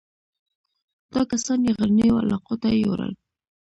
دا کسان یې غرنیو علاقو ته یووړل.